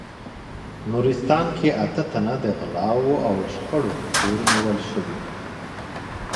نورستان کې اته تنه د غلاوو او شخړو په تور نیول شوي